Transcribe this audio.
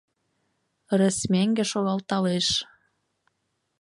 Ырес меҥге шогалталеш.